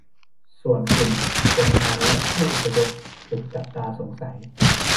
ส่วนกลุ่มคนงานและผู้อพยพถูกจับตาสงสัย